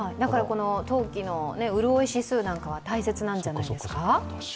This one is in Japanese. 冬期の潤い指数なんかは大切なんじゃないですか？